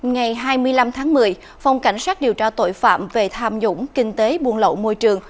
ngày hai mươi năm tháng một mươi phòng cảnh sát điều tra tội phạm về tham nhũng kinh tế buôn lậu môi trường